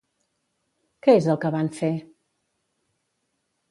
Què és el que van fer?